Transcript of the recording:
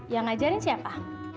yang ngajarin siapa